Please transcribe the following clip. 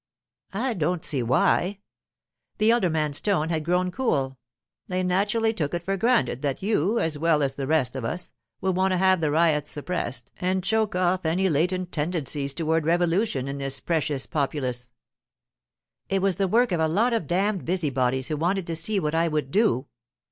'I don't see why.' The elder man's tone had grown cool. 'They naturally took it for granted that you, as well as the rest of us, would want to have the riots suppressed and choke off any latent tendencies toward revolution in this precious populace.' 'It was the work of a lot of damned busybodies who wanted to see what I would do.